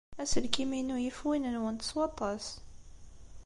Aselkim-inu yif win-nwent s waṭas.